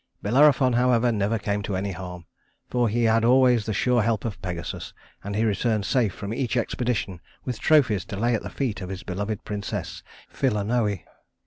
Bellerophon, however, never came to any harm, for he had always the sure help of Pegasus, and he returned safe from each expedition with trophies to lay at the feet of his beloved princess, Philonoë.